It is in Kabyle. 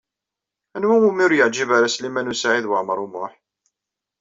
Anwa umi ur yeɛjib ara Sliman U Saɛid Waɛmaṛ U Muḥ?